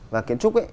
và kiến trúc ấy